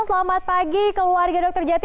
selamat pagi keluarga dr jati